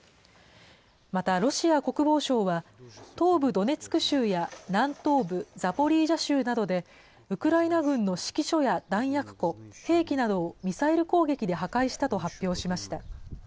またロシア国防省は、東部ドネツク州や南東部ザポリージャ州などで、ウクライナ軍の指揮所や弾薬庫、兵器などをミサイル攻撃で破壊したと発表しました。